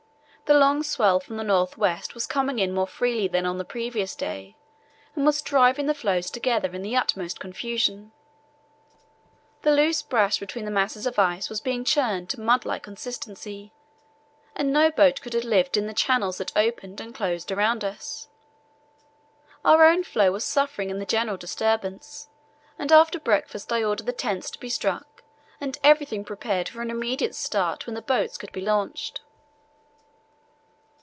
The long swell from the north west was coming in more freely than on the previous day and was driving the floes together in the utmost confusion. The loose brash between the masses of ice was being churned to mudlike consistency, and no boat could have lived in the channels that opened and closed around us. Our own floe was suffering in the general disturbance, and after breakfast I ordered the tents to be struck and everything prepared for an immediate start when the boats could be launched."